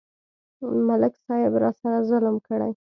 ملک صاحب راسره ظلم کړی.